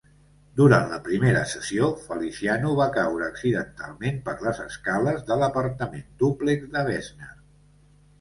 Durant la primera sessió, Feliciano va caure accidentalment per les escales de l'apartament dúplex de Weshner.